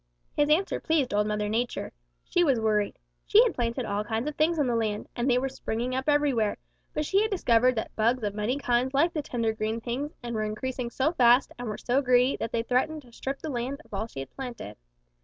"His answer pleased Old Mother Nature. She was worried. She had planted all kinds of things on the land, and they were springing up everywhere, but she had discovered that bugs of many kinds liked the tender green things and were increasing so fast and were so greedy that they threatened to strip the land of all that she had planted.